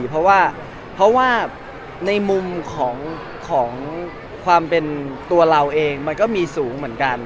เพราะว่าเพราะว่าในมุมของความเป็นตัวเราเองมันก็มีสูงเหมือนกัน